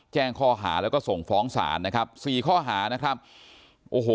แจ้งข้อหาแล้วก็ส่งฟ้องศาลนะครับสี่ข้อหานะครับโอ้โห